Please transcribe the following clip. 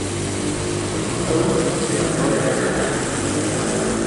Ew fêm nakin.